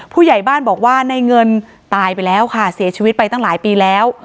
ผู้ใหญ่บ้านบอกว่าในเงินตายไปแล้วค่ะเสียชีวิตไปตั้งหลายปีแล้ว